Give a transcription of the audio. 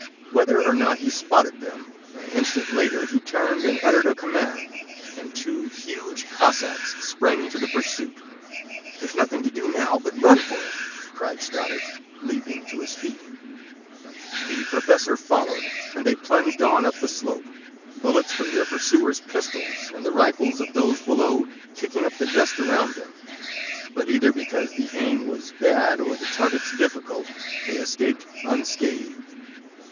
Whether or not be spotted them, an instant later he turned and uttered a command, and two huge Cossacks sprang to the pursuit. "There's nothing to do now but run for it!" cried Stoddard, leaping to his feet. The professor followed and they plunged on up the slope, bullets from their pursuers' pistols and the rifles of those below kicking up the dust around them. But either because the aim was bad or the targets difficult, they escaped unscathed.